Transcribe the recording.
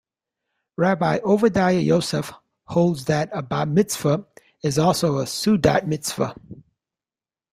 Rabbi Ovadiah Yosef holds that a Bat Mitzvah is also a seudat mitzvah.